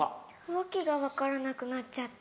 訳が分からなくなっちゃって。